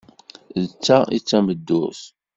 D ta i d tameddurt!